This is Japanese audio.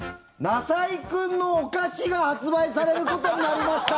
なさいくんのお菓子が発売されることになりました！